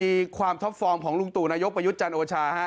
วันนี้ความท็อปฟอรมของลงตุินายกประยุจจันทร์โอชา